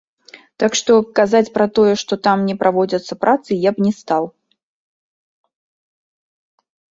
Так што, казаць пра тое, што там не праводзяцца працы, я б не стаў.